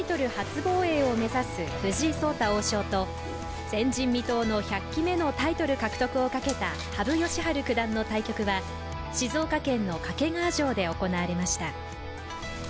防衛を目指す藤井聡太王将と前人未到の１００期目のタイトル獲得をかけた羽生善治九段の対局は静岡県の掛川城で行われました。